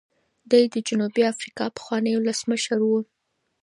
دی د جنوبي افریقا پخوانی ولسمشر و.